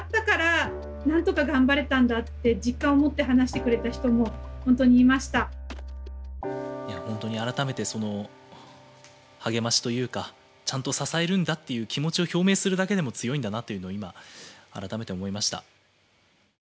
で例えばその後で本当に改めてその励ましというかちゃんと支えるんだという気持ちを表明するだけでも強いんだなというのを今改めて思いました。